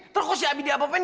terus si abi diapain